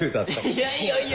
いやいやいや！